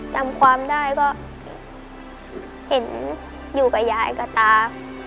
จำความได้ก็เห็นอยู่กับยายกับตา